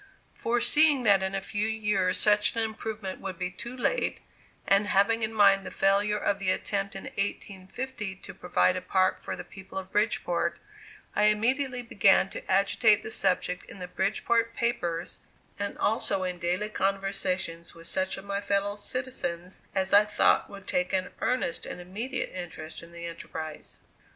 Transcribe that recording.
Foreseeing that in a few years such an improvement would be too late, and having in mind the failure of the attempt in 1850 to provide a park for the people of Bridgeport, I immediately began to agitate the subject in the Bridgeport papers, and also in daily conversations with such of my fellow citizens as I thought would take an earnest and immediate interest in the enterprise.